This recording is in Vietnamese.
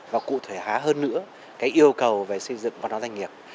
và cụ thể há hơn nữa cái yêu cầu về xây dựng văn hóa doanh nghiệp